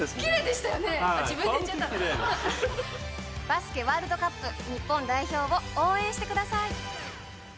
バスケワールドカップ日本代表を応援してください！